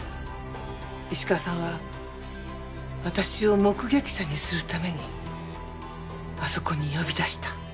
石川さんは私を目撃者にするためにあそこに呼び出した。